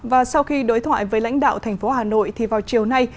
và sau khi đối thoại với lãnh đạo tp hà nội thì vào chiều nay